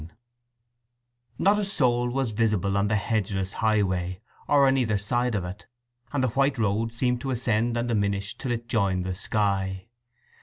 III Not a soul was visible on the hedgeless highway, or on either side of it, and the white road seemed to ascend and diminish till it joined the sky.